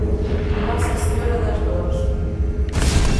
Nossa Senhora das Dores